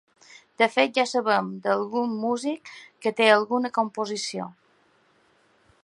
De fet ja saben d’algun músic que té alguna composició.